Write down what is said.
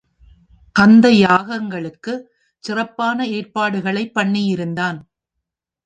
அந்த யாகத்துக்குச் சிறப்பான ஏற்பாடுகளைப் பண்ணியிருந்தான்.